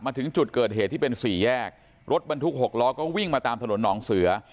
ถึงจุดเกิดเหตุที่เป็นสี่แยกรถบรรทุกหกล้อก็วิ่งมาตามถนนหนองเสือ